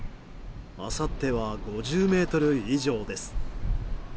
あさっては５０メートル以上です。